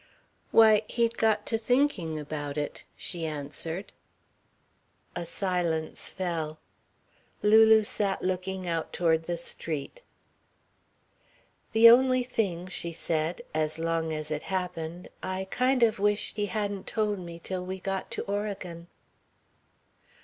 "Why, he'd got to thinking about it," she answered. A silence fell. Lulu sat looking out toward the street. "The only thing," she said, "as long as it happened, I kind of wish he hadn't told me till we got to Oregon."